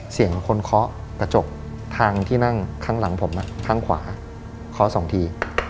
เสียงคนเคาะกระจกทางที่นั่งข้างหลังผมข้างขวาเคาะสองที